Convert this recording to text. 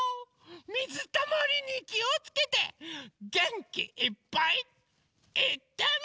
みずたまりにきをつけてげんきいっぱいいってみよう！